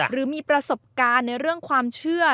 หรือมีประสบการณ์ในเรื่องความเชื่อ